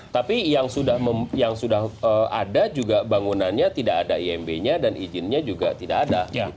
tapi yang sudah ada juga bangunannya tidak ada imb nya dan izinnya juga tidak ada